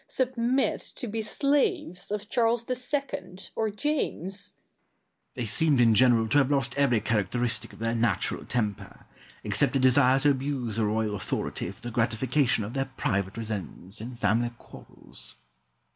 submit to be slaves of Charles II. or James? Argyle. They seemed in general to have lost every characteristic of their natural temper, except a desire to abuse the royal authority for the gratification of their private resentments in family quarrels.